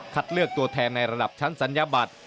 เลือกตัวแทนในระดับชั้นศัลยบัตร